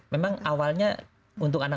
memang awalnya untuk anak anak